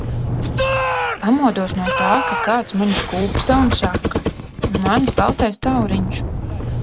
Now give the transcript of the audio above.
Pamodos no tā, ka kāds mani skūpsta un saka: mans baltais tauriņš.